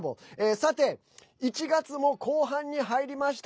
さて、１月も後半に入りました。